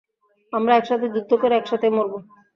আমরা এক সাথে যুদ্ধ করে এক সাথেই মরব।